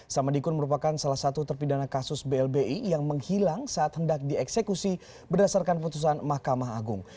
samadikun merupakan salah satu terpidana kasus blbi yang menghilang saat hendak dieksekusi berdasarkan putusan mahkamah agung